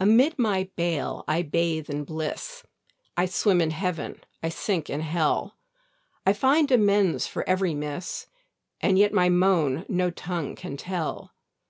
Amid my bale I bathe in bliss, I swim in Heaven, I sink in hell: I find amends for every miss, And yet my moan no tongue can tell.